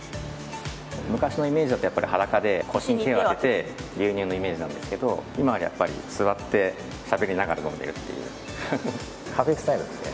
昔のイメージだと裸で腰に手を当てて牛乳のイメージなんですけど今はやっぱり座ってしゃべりながら飲んでいるという。